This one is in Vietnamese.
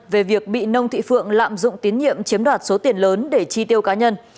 về việc bị nông thị phượng lạm dụng tín nhiệm chiếm đoạt số tiền lớn để chi tiêu cá nhân